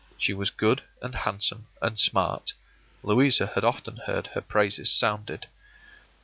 She was good and handsome and smart. Louisa had often heard her praises sounded.